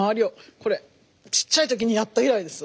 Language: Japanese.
これちっちゃい時にやった以来です。